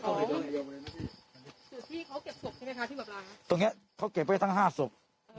ส่วนที่เขาเก็บศพใช่ไหมคะที่แบบร้านตรงเนี้ยเขาเก็บไว้ทั้งห้าศพ